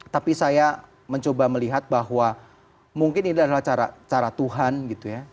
tapi saya mencoba melihat bahwa mungkin ini adalah cara tuhan gitu ya